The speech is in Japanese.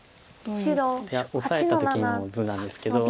いやオサえた時の図なんですけど。